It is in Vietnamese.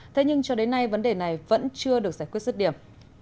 thế nhưng cho đến nay vấn đề này vẫn chưa được giải quyết rứt điểm